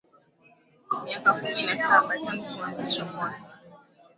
Miaka kumi na saba tangu kuanzishwa kwake